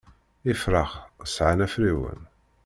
Ifrax sɛan afriwen.